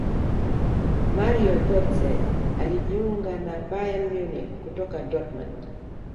mario gotze alijiunga na bayern munich kutoka dortmund